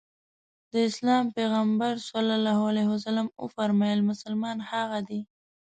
د اسلام پيغمبر ص وفرمايل مسلمان هغه دی.